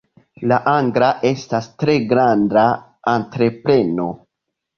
La angla estas tre granda entrepreno.